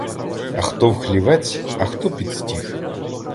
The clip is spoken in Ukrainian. А хто в хлівець, а хто під стіг.